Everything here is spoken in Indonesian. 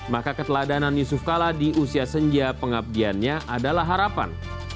maka keteladanan yusuf kala di usia senja pengabdiannya adalah harapan